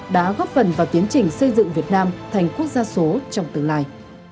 đã góp phần vào tiến trình xây dựng việt nam thành quốc gia số trong tương lai